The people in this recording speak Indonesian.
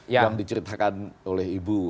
yang diceritakan oleh ibu